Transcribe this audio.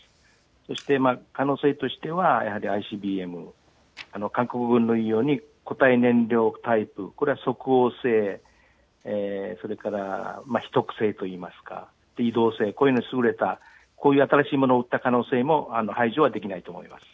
そして可能性としてはやはりＩＣＢＭ、固体燃料タイプ、即応性それから、秘匿性といいますか、移動性、こういうのに優れた、こういう新しいものを撃った可能性も排除はできないと思います。